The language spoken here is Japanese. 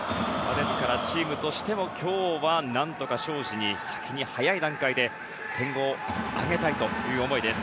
ですからチームとしても今日はなんとか、荘司に先に早い段階で点をあげたいという思いです。